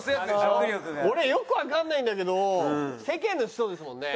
俺よくわかんないんだけど世間の人ですもんね？